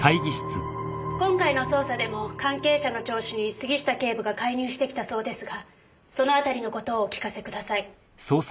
今回の捜査でも関係者の聴取に杉下警部が介入してきたそうですがそのあたりの事をお聞かせください。